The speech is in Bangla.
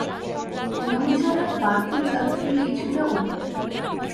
নৌযানে বাড়তি যাত্রী কিছুটা উঠবেন।